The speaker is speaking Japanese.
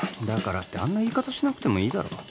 だからってあんな言い方しなくてもいいだろ